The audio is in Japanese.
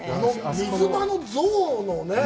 水場のゾウのね。